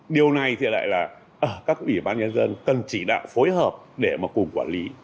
điều này thì lại là ở các ủy ban nhân dân cần chỉ đạo phối hợp để mà cùng quản lý